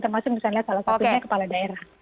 termasuk misalnya salah satunya kepala daerah